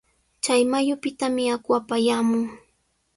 Chay mayupitami aqu apayaamun.